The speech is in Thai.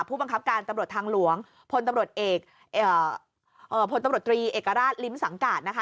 ผู้บังคับการตำรวจทางหลวงพลตำรวจตรีเอกราชลิมสังการนะคะ